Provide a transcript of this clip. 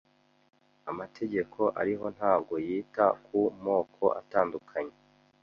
Amategeko ariho ntabwo yita ku moko atandukanye.